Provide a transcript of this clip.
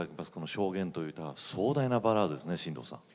「証言」という歌は壮大なバラードですね新藤さん。